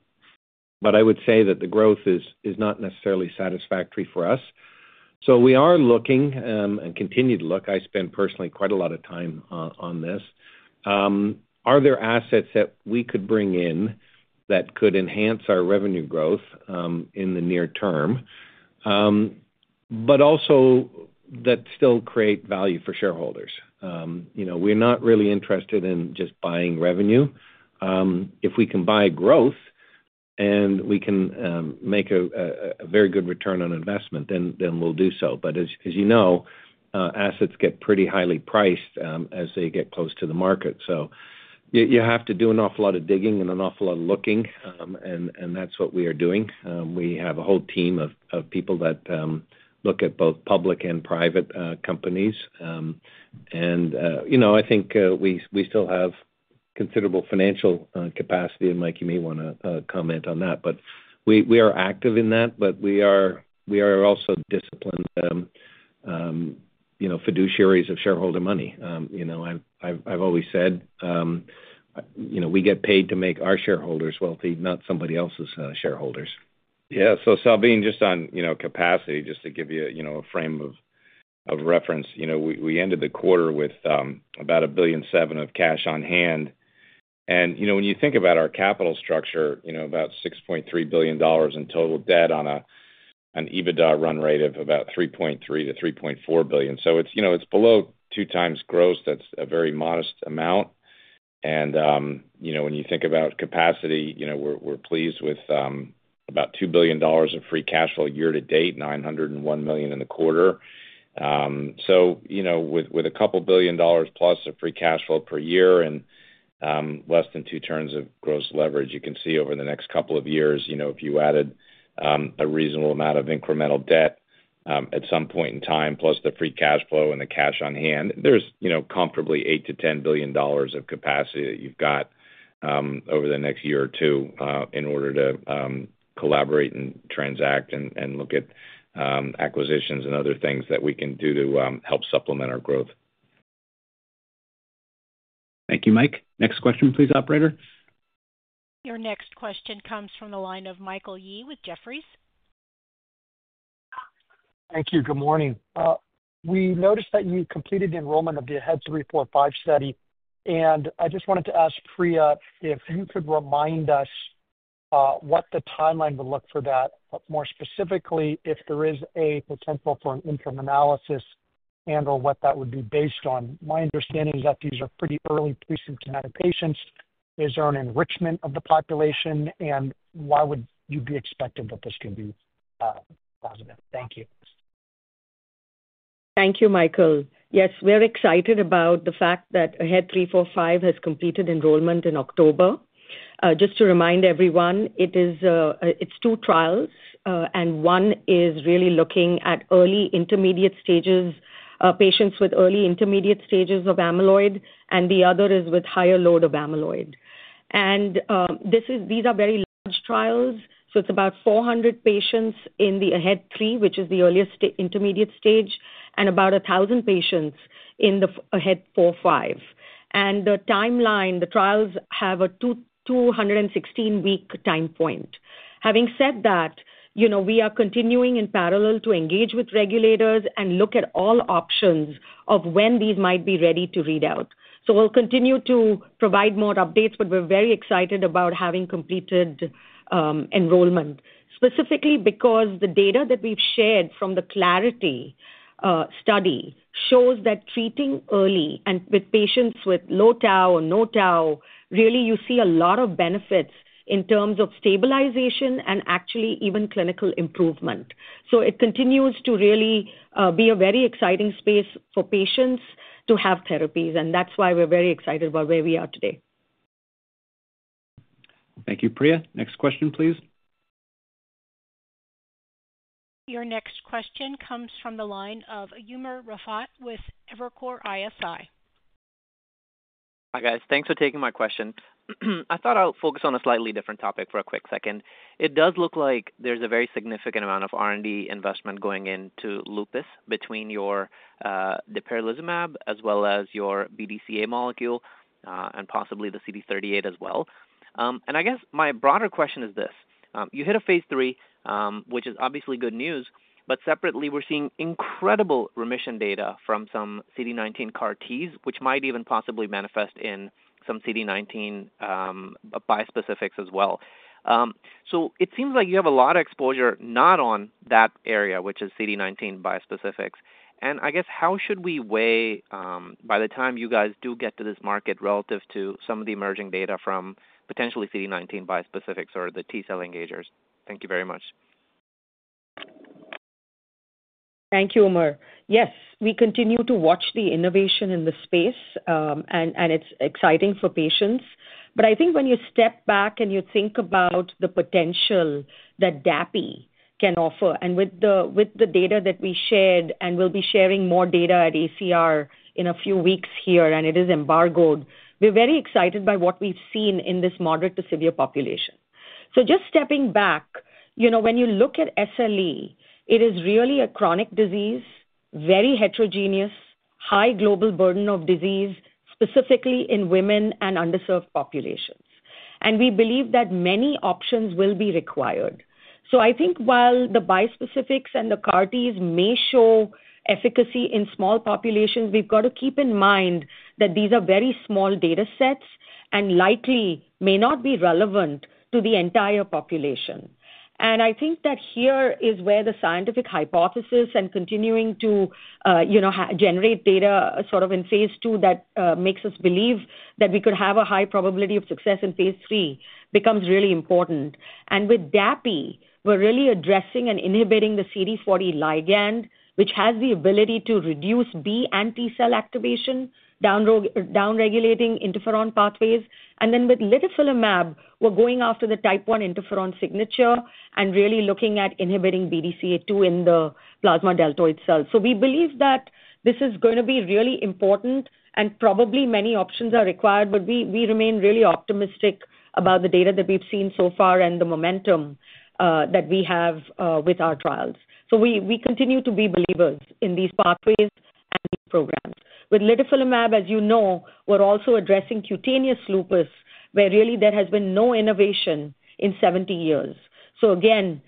But I would say that the growth is not necessarily satisfactory for us. So we are looking and continue to look. I spend personally quite a lot of time on this. Are there assets that we could bring in that could enhance our revenue growth in the near term, but also that still create value for shareholders? We're not really interested in just buying revenue. If we can buy growth and we can make a very good return on investment, then we'll do so. But as you know, assets get pretty highly priced as they get close to the market. So you have to do an awful lot of digging and an awful lot of looking, and that's what we are doing. We have a whole team of people that look at both public and private companies. And I think we still have considerable financial capacity. And Mike may want to comment on that. But we are active in that, but we are also disciplined fiduciaries of shareholder money. I've always said we get paid to make our shareholders wealthy, not somebody else's shareholders. Yeah. So Salveen, just on capacity, just to give you a frame of reference, we ended the quarter with about $1.7 billion of cash on hand. And when you think about our capital structure, about $6.3 billion in total debt on an EBITDA run rate of about $3.3 billion-$3.4 billion. So it's below two times gross. That's a very modest amount. And when you think about capacity, we're pleased with about $2 billion of free cash flow year to date, $901 million in the quarter. So with a couple of billion dollars plus of free cash flow per year and less than two turns of gross leverage, you can see over the next couple of years, if you added a reasonable amount of incremental debt at some point in time, plus the free cash flow and the cash on hand, there's comfortably $8 billion-$10 billion of capacity that you've got over the next year or two in order to collaborate and transact and look at acquisitions and other things that we can do to help supplement our growth. Thank you, Mike. Next question, please, operator. Your next question comes from the line of Michael Yee with Jefferies. Thank you. Good morning. We noticed that you completed enrollment of the AHEAD 3-45 study, and I just wanted to ask Priya if you could remind us what the timeline would look for that, but more specifically, if there is a potential for an incremental analysis and/or what that would be based on. My understanding is that these are pretty early presymptomatic patients. Is there an enrichment of the population, and why would you be expecting that this can be positive? Thank you. Thank you, Michael. Yes, we're excited about the fact that AHEAD 3-45 has completed enrollment in October. Just to remind everyone, it's two trials, and one is really looking at early intermediate stages, patients with early intermediate stages of amyloid, and the other is with higher load of amyloid. And these are very large trials. So it's about 400 patients in the AHEAD 3, which is the earliest intermediate stage, and about 1,000 patients in the AHEAD 45. And the timeline, the trials have a 216-week time point. Having said that, we are continuing in parallel to engage with regulators and look at all options of when these might be ready to read out. So we'll continue to provide more updates, but we're very excited about having completed enrollment, specifically because the data that we've shared from the CLARITY study shows that treating early and with patients with low tau or no tau, really you see a lot of benefits in terms of stabilization and actually even clinical improvement. So it continues to really be a very exciting space for patients to have therapies, and that's why we're very excited about where we are today. Thank you, Priya. Next question, please. Your next question comes from the line of Umer Raffat with Evercore ISI. Hi, guys. Thanks for taking my question. I thought I'll focus on a slightly different topic for a quick second. It does look like there's a very significant amount of R&D investment going into lupus between the dapirolizumab as well as your BDCA2 molecule and possibly the CD38 as well. And I guess my broader question is this: you hit a phase III, which is obviously good news, but separately, we're seeing incredible remission data from some CD19 CAR-Ts, which might even possibly manifest in some CD19 bispecifics as well. So it seems like you have a lot of exposure not on that area, which is CD19 bispecifics. And I guess how should we weigh by the time you guys do get to this market relative to some of the emerging data from potentially CD19 bispecifics or the T-cell engagers? Thank you very much. Thank you, Umer. Yes, we continue to watch the innovation in the space, and it's exciting for patients. But I think when you step back and you think about the potential that dapi can offer, and with the data that we shared and will be sharing more data at ACR in a few weeks here, and it is embargoed, we're very excited by what we've seen in this moderate to severe population. So just stepping back, when you look at SLE, it is really a chronic disease, very heterogeneous, high global burden of disease, specifically in women and underserved populations. And we believe that many options will be required. So I think while the bispecifics and the CAR-Ts may show efficacy in small populations, we've got to keep in mind that these are very small data sets and likely may not be relevant to the entire population. I think that here is where the scientific hypothesis and continuing to generate data sort of in phase II that makes us believe that we could have a high probability of success in phase III becomes really important. With dapi, we're really addressing and inhibiting the CD40 ligand, which has the ability to reduce B-cell activation, downregulating interferon pathways. Then with litifilimab, we're going after the type I interferon signature and really looking at inhibiting BDCA2 in the plasmacytoid dendritic cells. We believe that this is going to be really important, and probably many options are required, but we remain really optimistic about the data that we've seen so far and the momentum that we have with our trials. We continue to be believers in these pathways and programs. With litifilimab, as you know, we're also addressing cutaneous lupus where really there has been no innovation in 70 years. So again,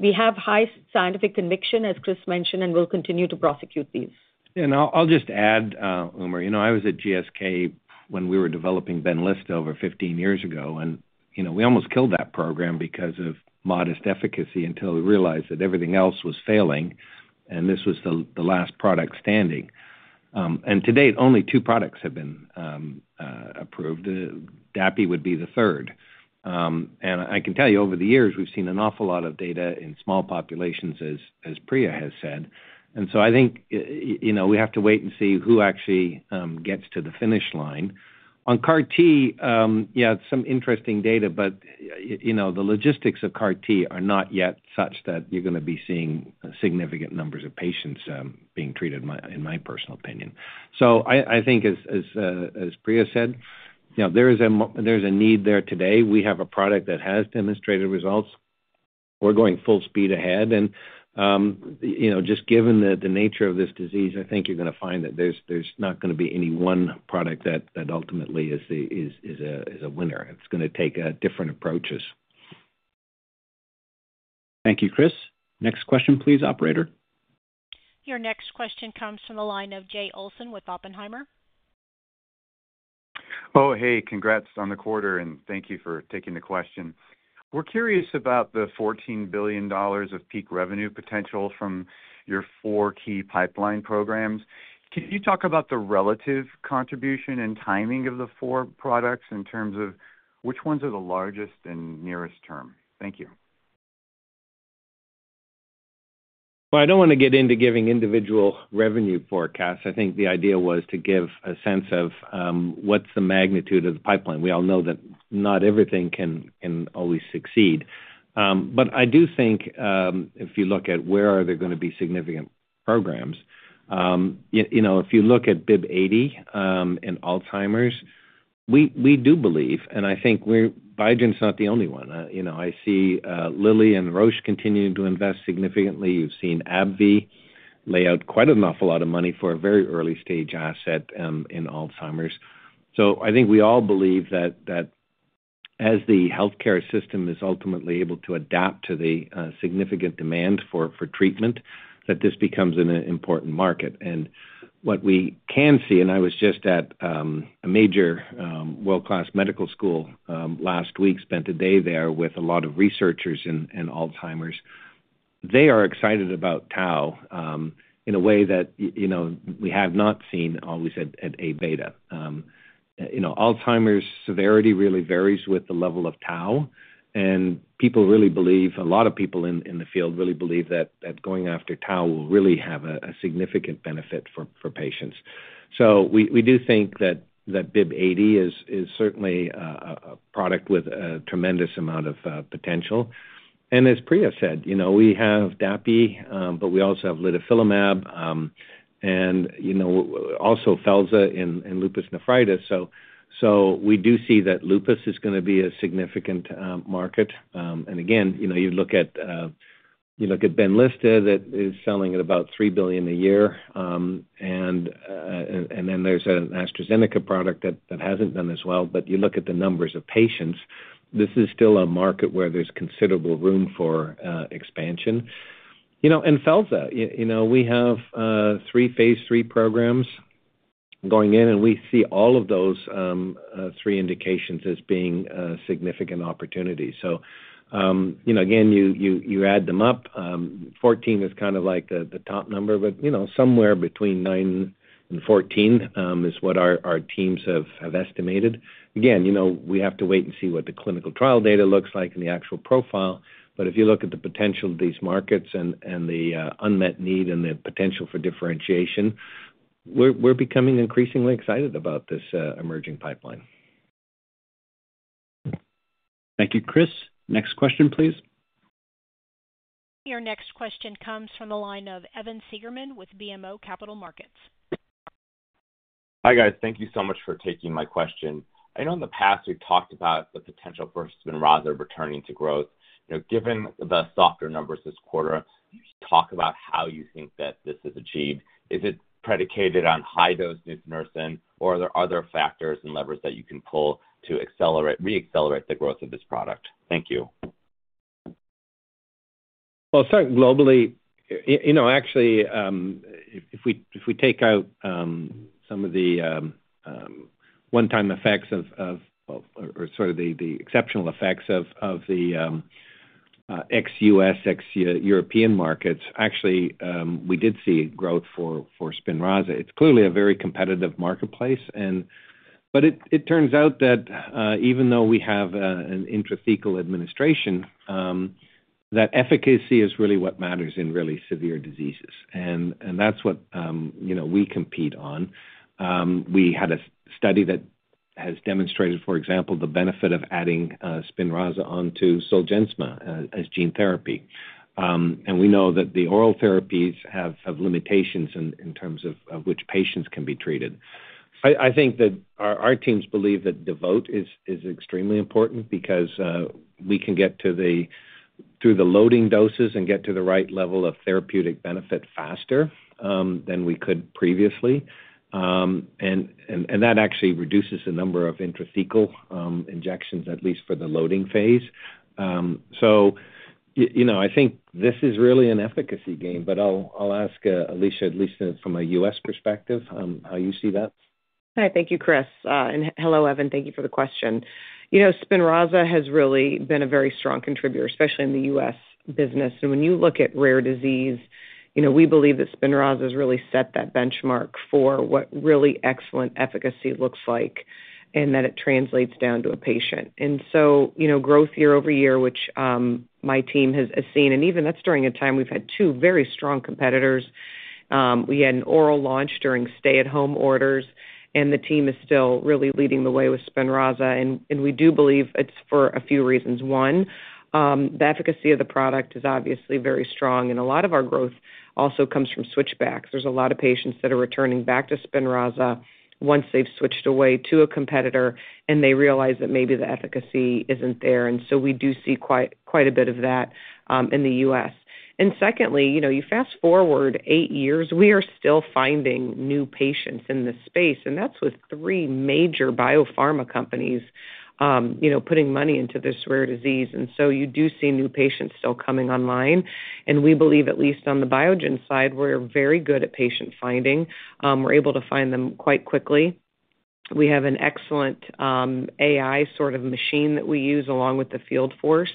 we have high scientific conviction, as Chris mentioned, and we'll continue to prosecute these. And I'll just add, Umer, I was at GSK when we were developing Benlysta over 15 years ago, and we almost killed that program because of modest efficacy until we realized that everything else was failing, and this was the last product standing. And to date, only two products have been approved. Dapi would be the third. And I can tell you over the years, we've seen an awful lot of data in small populations, as Priya has said. And so I think we have to wait and see who actually gets to the finish line. On CAR-T, yeah, some interesting data, but the logistics of CAR-T are not yet such that you're going to be seeing significant numbers of patients being treated, in my personal opinion. So I think, as Priya said, there is a need there today. We have a product that has demonstrated results. We're going full speed ahead. And just given the nature of this disease, I think you're going to find that there's not going to be any one product that ultimately is a winner. It's going to take different approaches. Thank you, Chris. Next question, please, operator. Your next question comes from the line of Jay Olson with Oppenheimer. Oh, hey, congrats on the quarter, and thank you for taking the question. We're curious about the $14 billion of peak revenue potential from your four key pipeline programs. Can you talk about the relative contribution and timing of the four products in terms of which ones are the largest in nearest term? Thank you. I don't want to get into giving individual revenue forecasts. I think the idea was to give a sense of what's the magnitude of the pipeline. We all know that not everything can always succeed. But I do think if you look at where are there going to be significant programs, if you look at BIIB080 and Alzheimer's, we do believe, and I think Biogen is not the only one. I see Lilly and Roche continuing to invest significantly. You've seen AbbVie lay out quite an awful lot of money for a very early-stage asset in Alzheimer's. So I think we all believe that as the healthcare system is ultimately able to adapt to the significant demand for treatment, that this becomes an important market. And what we can see, and I was just at a major world-class medical school last week, spent a day there with a lot of researchers in Alzheimer's, they are excited about tau in a way that we have not seen always at amyloid-beta. Alzheimer's severity really varies with the level of tau, and people really believe, a lot of people in the field really believe that going after tau will really have a significant benefit for patients. So we do think that BIIB080 is certainly a product with a tremendous amount of potential. And as Priya said, we have dapi, but we also have litifilimab, and also felzartamab in lupus nephritis. So we do see that lupus is going to be a significant market. And again, you look at Benlysta that is selling at about $3 billion a year, and then there's an AstraZeneca product that hasn't done as well. But you look at the numbers of patients. This is still a market where there's considerable room for expansion. And felzartamab, we have three phase III programs going in, and we see all of those three indications as being significant opportunities. So again, you add them up. $14 billion is kind of like the top number, but somewhere between $9 billion and $14 billion is what our teams have estimated. Again, we have to wait and see what the clinical trial data looks like and the actual profile. But if you look at the potential of these markets and the unmet need and the potential for differentiation, we're becoming increasingly excited about this emerging pipeline. Thank you, Chris. Next question, please. Your next question comes from the line of Evan Seigerman with BMO Capital Markets. Hi, guys. Thank you so much for taking my question. I know in the past we've talked about the potential for Spinraza returning to growth. Given the softer numbers this quarter, talk about how you think that this is achieved. Is it predicated on high-dose nusinersen, or are there other factors and levers that you can pull to re-accelerate the growth of this product? Thank you. I think globally, actually, if we take out some of the one-time effects or sort of the exceptional effects of the ex-U.S., ex-European markets, actually, we did see growth for Spinraza. It's clearly a very competitive marketplace. It turns out that even though we have an intrathecal administration, that efficacy is really what matters in really severe diseases. That's what we compete on. We had a study that has demonstrated, for example, the benefit of adding Spinraza onto Zolgensma as gene therapy. We know that the oral therapies have limitations in terms of which patients can be treated. I think that our teams believe that DEVOTE is extremely important because we can get through the loading doses and get to the right level of therapeutic benefit faster than we could previously. That actually reduces the number of intrathecal injections, at least for the loading phase. So I think this is really an efficacy gain. But I'll ask Alisha, at least from a U.S. perspective, how you see that. Hi, thank you, Chris. And hello, Evan. Thank you for the question. Spinraza has really been a very strong contributor, especially in the U.S. business. And when you look at rare disease, we believe that Spinraza has really set that benchmark for what really excellent efficacy looks like and that it translates down to a patient. And so growth year-over-year, which my team has seen, and even that's during a time we've had two very strong competitors. We had an oral launch during stay-at-home orders, and the team is still really leading the way with Spinraza. And we do believe it's for a few reasons. One, the efficacy of the product is obviously very strong, and a lot of our growth also comes from switchbacks. There's a lot of patients that are returning back to Spinraza once they've switched away to a competitor, and they realize that maybe the efficacy isn't there, and so we do see quite a bit of that in the U.S., and secondly, you fast forward eight years, we are still finding new patients in this space, and that's with three major biopharma companies putting money into this rare disease, and so you do see new patients still coming online, and we believe, at least on the Biogen side, we're very good at patient finding. We're able to find them quite quickly. We have an excellent AI sort of machine that we use along with the field force.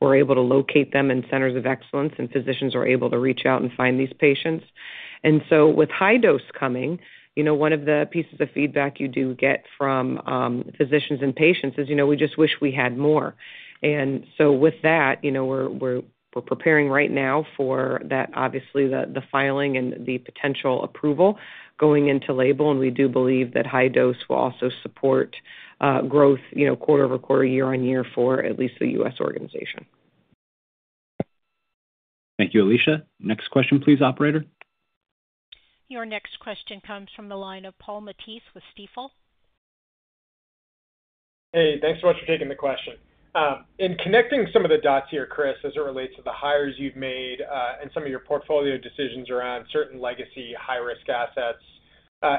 We're able to locate them in centers of excellence, and physicians are able to reach out and find these patients. And so with high dose coming, one of the pieces of feedback you do get from physicians and patients is, "We just wish we had more." And so with that, we're preparing right now for that, obviously, the filing and the potential approval going into label. And we do believe that high dose will also support growth quarter-over-quarter, year-on-year for at least the U.S. organization. Thank you, Alisha. Next question, please, operator. Your next question comes from the line of Paul Matteis with Stifel. Hey, thanks so much for taking the question. In connecting some of the dots here, Chris, as it relates to the hires you've made and some of your portfolio decisions around certain legacy high-risk assets,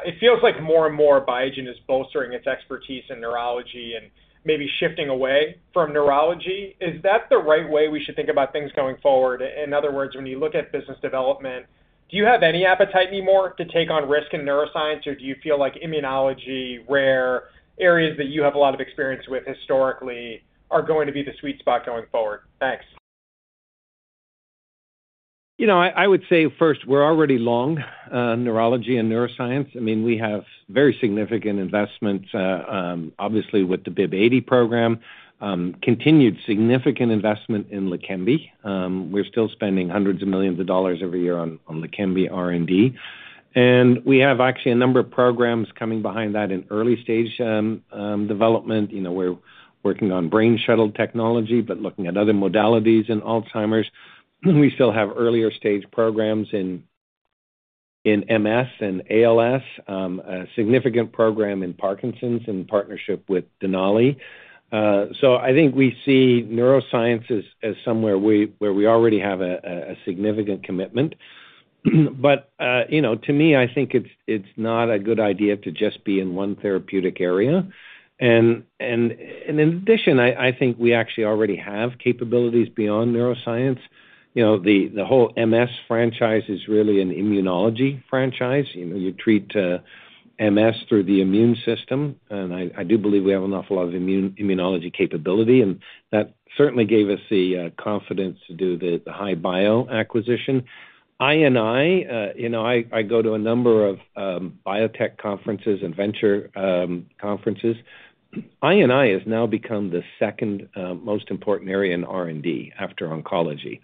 it feels like more and more Biogen is bolstering its expertise in neurology and maybe shifting away from neurology. Is that the right way we should think about things going forward? In other words, when you look at business development, do you have any appetite anymore to take on risk in neuroscience, or do you feel like immunology, rare areas that you have a lot of experience with historically, are going to be the sweet spot going forward? Thanks. I would say first, we're already long neurology and neuroscience. I mean, we have very significant investments, obviously, with the BIIB080 program, continued significant investment in Leqembi. We're still spending hundreds of millions of dollars every year on Leqembi R&D. And we have actually a number of programs coming behind that in early-stage development. We're working on brain shuttle technology, but looking at other modalities in Alzheimer's. We still have earlier-stage programs in MS and ALS, a significant program in Parkinson's in partnership with Denali. So I think we see neuroscience as somewhere where we already have a significant commitment. But to me, I think it's not a good idea to just be in one therapeutic area. And in addition, I think we actually already have capabilities beyond neuroscience. The whole MS franchise is really an immunology franchise. You treat MS through the immune system. And I do believe we have an awful lot of immunology capability. And that certainly gave us the confidence to do the HI-Bio acquisition. I, and I, I go to a number of biotech conferences and venture conferences. I&I has now become the second most important area in R&D after oncology.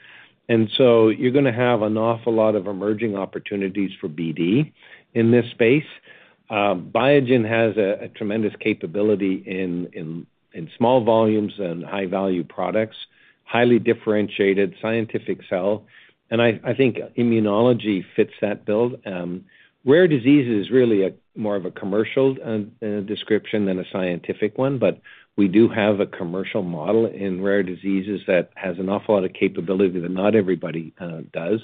And so you're going to have an awful lot of emerging opportunities for BD in this space. Biogen has a tremendous capability in small volumes and high-value products, highly differentiated scientific sell. And I think immunology fits that bill. Rare disease is really more of a commercial description than a scientific one. But we do have a commercial model in rare diseases that has an awful lot of capability that not everybody does.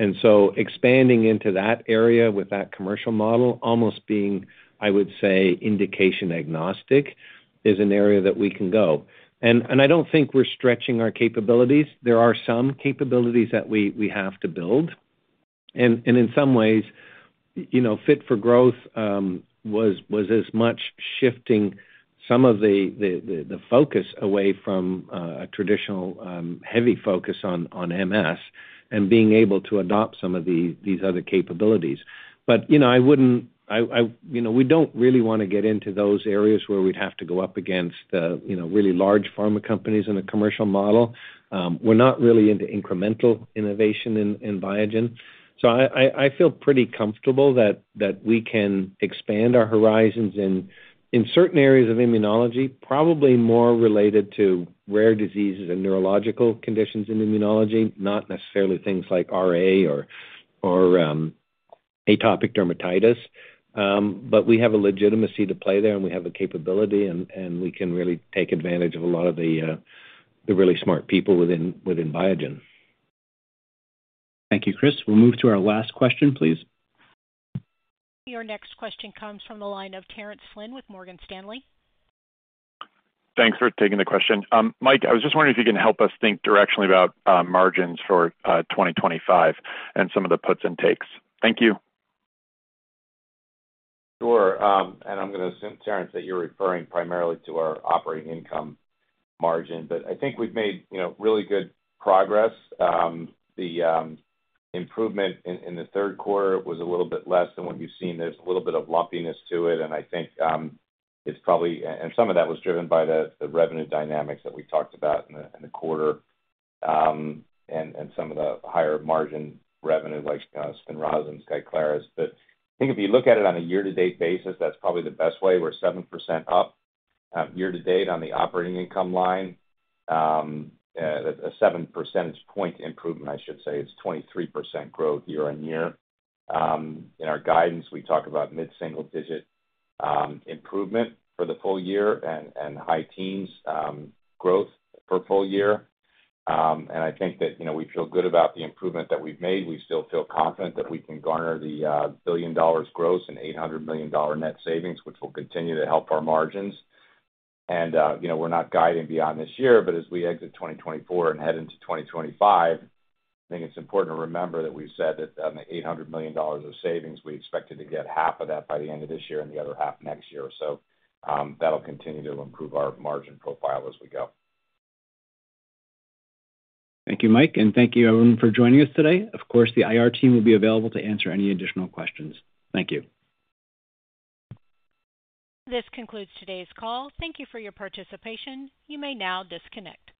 Expanding into that area with that commercial model, almost being, I would say, indication agnostic, is an area that we can go. I don't think we're stretching our capabilities. There are some capabilities that we have to build. In some ways, Fit for Growth was as much shifting some of the focus away from a traditional heavy focus on MS and being able to adopt some of these other capabilities. But I wouldn't—we don't really want to get into those areas where we'd have to go up against really large pharma companies in a commercial model. We're not really into incremental innovation in Biogen. I feel pretty comfortable that we can expand our horizons in certain areas of immunology, probably more related to rare diseases and neurological conditions in immunology, not necessarily things like RA or atopic dermatitis. But we have a legitimacy to play there, and we have the capability, and we can really take advantage of a lot of the really smart people within Biogen. Thank you, Chris. We'll move to our last question, please. Your next question comes from the line of Terence Flynn with Morgan Stanley. Thanks for taking the question. Mike, I was just wondering if you can help us think directionally about margins for 2025 and some of the puts and takes. Thank you. Sure. And I'm going to assume, Terence, that you're referring primarily to our operating income margin. But I think we've made really good progress. The improvement in the third quarter was a little bit less than what you've seen. There's a little bit of lumpiness to it. And I think it's probably, and some of that was driven by the revenue dynamics that we talked about in the quarter and some of the higher margin revenue like Spinraza and Skyclarys. But I think if you look at it on a year-to-date basis, that's probably the best way. We're 7% up year-to-date on the operating income line. A seven percentage point improvement, I should say, is 23% growth year-on-year. In our guidance, we talk about mid-single-digit improvement for the full-year and high teens growth for the full-year. I think that we feel good about the improvement that we've made. We still feel confident that we can garner $1 billion gross and $800 million net savings, which will continue to help our margins. We're not guiding beyond this year. But as we exit 2024 and head into 2025, I think it's important to remember that we've said that on the $800 million of savings, we expected to get $400 million of that by the end of this year and the other $400 million next year. That'll continue to improve our margin profile as we go. Thank you, Mike. And thank you, everyone, for joining us today. Of course, the IR team will be available to answer any additional questions. Thank you. This concludes today's call. Thank you for your participation. You may now disconnect.